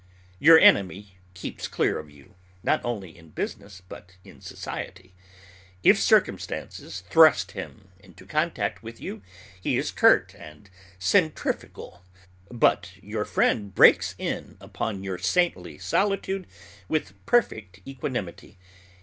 Your enemy keeps clear of you, not only in business, but in society. If circumstances thrust him into contact with you, he is curt and centrifugal. But your friend breaks in upon your "saintly solitude" with perfect equanimity.